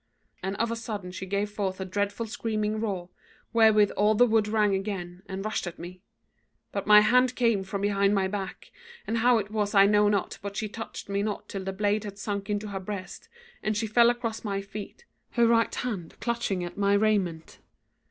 And of a sudden she gave forth a dreadful screaming roar, wherewith all the wood rang again, and rushed at me; but my hand came from behind my back, and how it was I know not, but she touched me not till the blade had sunk into her breast, and she fell across my feet, her right hand clutching my raiment.